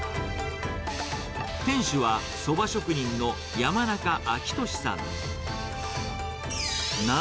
店主はそば職人の山中昭敏さん。